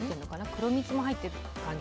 黒蜜も入ってる感じ。